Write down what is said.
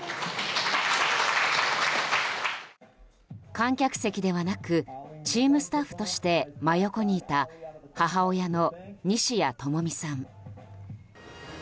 観客席ではなくチームスタッフとして真横にいた母親の西矢智実さん。